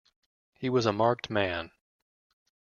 He was a marked man.